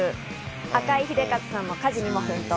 赤井英和さんも家事に奮闘。